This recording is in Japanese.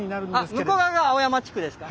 向こう側が青山地区ですか？